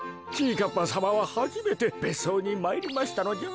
かっぱさまははじめてべっそうにまいりましたのじゃ。